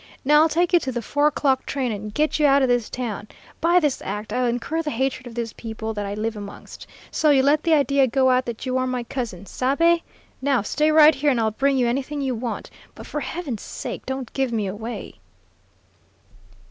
Now, I'll take you to the four o'clock train, and get you out of this town. By this act I'll incur the hatred of these people that I live amongst. So you let the idea go out that you are my cousin. Sabe? Now, stay right here and I'll bring you anything you want, but for Heaven's sake, don't give me away.'